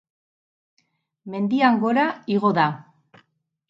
Mendian gora igo da.